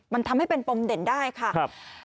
มันทำให้เป็นปมเด่นได้ค่ะ